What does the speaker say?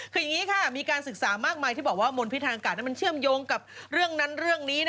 คืออย่างนี้ค่ะมีการศึกษามากมายที่บอกว่ามนพิษทางอากาศนั้นมันเชื่อมโยงกับเรื่องนั้นเรื่องนี้